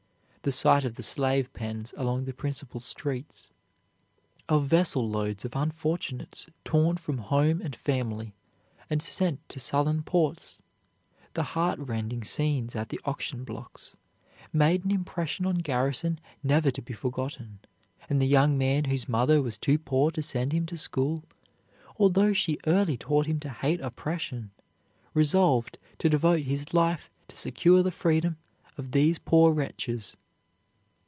The sight of the slave pens along the principal streets; of vessel loads of unfortunates torn from home and family and sent to Southern ports; the heartrending scenes at the auction blocks, made an impression on Garrison never to be forgotten; and the young man whose mother was too poor to send him to school, although she early taught him to hate oppression, resolved to devote his life to secure the freedom of these poor wretches.